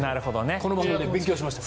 この番組で勉強しました。